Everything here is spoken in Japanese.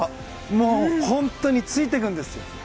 もう本当についてくんです。